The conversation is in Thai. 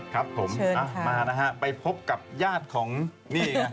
ครับผมมานะฮะไปพบกับญาติของนี่